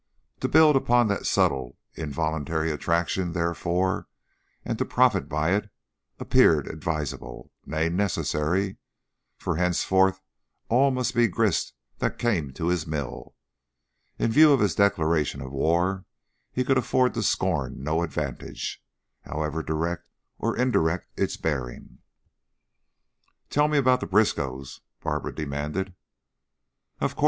To build upon that subtle, involuntary attraction, therefore, and to profit by it, appeared advisable, nay, necessary, for henceforth all must be grist that came to his mill. In view of his declaration of war, he could afford to scorn no advantage, however direct or indirect its bearing. "Tell me about the Briskows," Barbara demanded. "Of course!